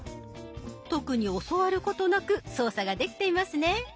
特に教わることなく操作ができていますね。